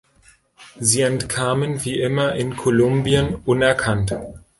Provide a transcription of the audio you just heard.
Sie entkamen wie immer in Kolumbien unerkannt.